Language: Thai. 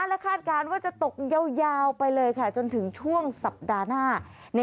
และคาดการณ์ว่าจะตกยาวไปเลยค่ะจนถึงช่วงสัปดาห์หน้า